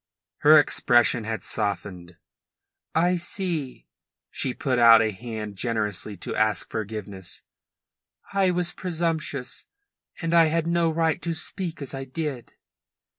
Her expression had softened. "I see." She put out a hand generously to ask forgiveness. "I was presumptuous, and I had no right to speak as I did."